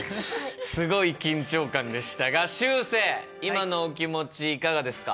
すごい緊張感でしたがしゅうせい今のお気持ちいかがですか？